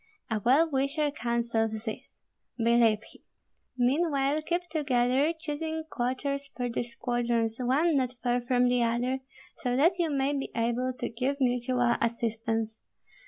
A well wisher counsels this, believe him. Meanwhile keep together, choosing quarters for the squadrons one not far from the other, so that you may be able to give mutual assistance.